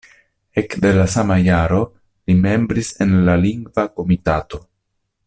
Ekde la sama jaro li membris en la Lingva Komitato.